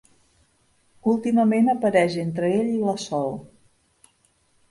Últimament apareix entre ell i la Sol.